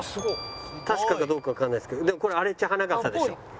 確かかどうかわかんないですけどでもこれアレチハナガサでしょ。